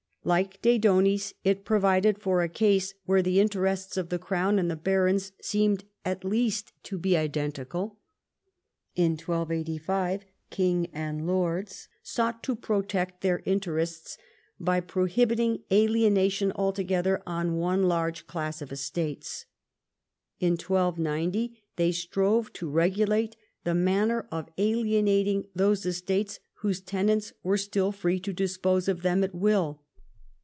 Like de Bonis, it provided for a case where the interests of the crown and the barons seemed at least to be identical. In 1 285 king and lords sought to protect their interests by pro hibiting alienation altogether on one large class of estates. In 1290 they strove to regulate the manner of alienating those estates whose tenants were still free to dispose of them at will.